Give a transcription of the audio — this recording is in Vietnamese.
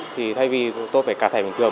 thì thay vì tôi phải cài thẻ bình thường